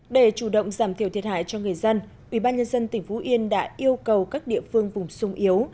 để chủ động giảm thiểu thiệt hại cho người dân ubnd tỉnh phú yên đã yêu cầu các địa phương vùng sung yếu